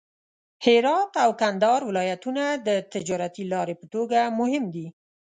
هرات او کندهار ولایتونه د تجارتي لارې په توګه مهم دي.